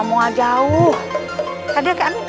tuhan yang terbaik